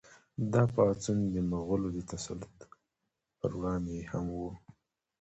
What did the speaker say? دا پاڅون د مغولو د تسلط پر وړاندې هم و.